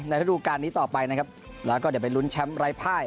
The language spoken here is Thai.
ในธุรการนี้ต่อไปนะครับแล้วก็เดี๋ยวมารุนแชมพ์ไร่ไพ่